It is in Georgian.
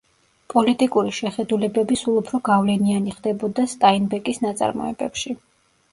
პოლიტიკური შეხედულებები სულ უფრო გავლენიანი ხდებოდა სტაინბეკის ნაწარმოებებში.